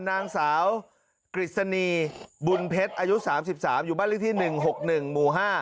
นางสาวกฤษณีบุญเพชรอายุ๓๓อยู่บ้านเลขที่๑๖๑หมู่๕